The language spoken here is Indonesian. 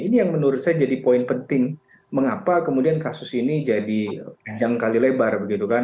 ini yang menurut saya jadi poin penting mengapa kemudian kasus ini jadi jangkali lebar begitu kan